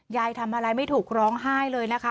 ยายทำอะไรไม่ถูกร้องไห้เลยนะคะ